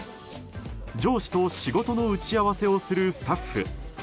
上司と仕事の打ち合わせをするスタッフ。